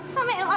sao mẹ không có